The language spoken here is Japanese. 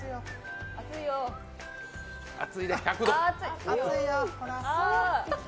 熱いで、１００度。